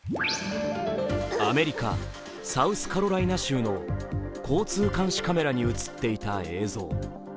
アメリカ・サウスカロライナ州の交通監視カメラに映っていた映像。